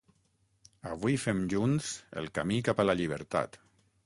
Avui fem junts el camí cap a la llibertat.